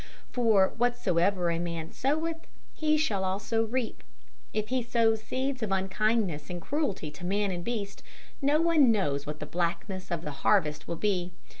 For 'Whatsoever a man soweth, that shall he also reap.' If he sows seeds of unkindness and cruelty to man and beast, no one knows what the blackness of the harvest will be.